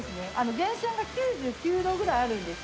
源泉が９９度ぐらいあるんです。